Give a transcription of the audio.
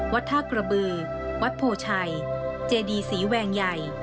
ท่ากระบือวัดโพชัยเจดีศรีแวงใหญ่